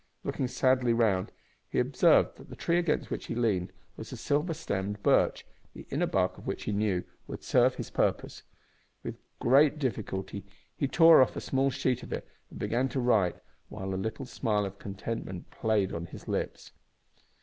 Looking sadly round, he observed that the tree against which he leaned was a silver stemmed birch, the inner bark of which, he knew, would serve his purpose. With great difficulty he tore off a small sheet of it and began to write, while a little smile of contentment played on his lips.